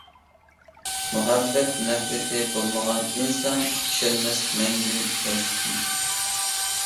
مۇھەببەت-نەپرىتى بولمىغان ئىنسان، چۈشەنمەس مەڭگۈ ياشلىقنى.